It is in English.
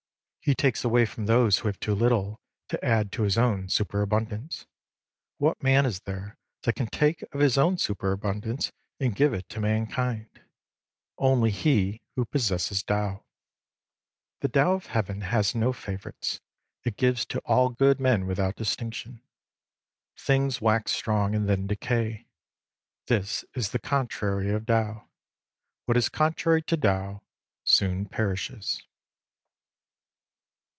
He takes away from those who have too little, to add to his own superabundance. What man is there that can take of his own superabundance and give it to mankind ? Only he who possesses Tao. The Tao of Heaven has no favourites. It gives to all good men without distinction. Things wax strong and then decay. This is the contrary of Tao. What is contrary to Tao soon perishes.